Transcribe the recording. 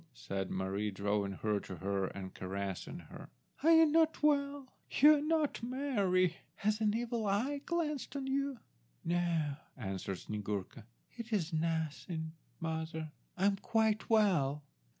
said Mary, drawing her to her and caressing her. "Are you not well? You are not merry. Has an evil eye glanced on you?" "No," answered Snyegurka; "it is nothing, mother. I am quite well."